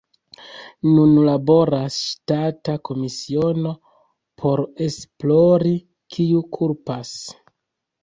Nun laboras ŝtata komisiono por esplori, kiu kulpas.